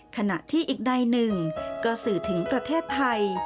ขณะที่อีกใดหนึ่งก็สื่อถึงประเทศไทย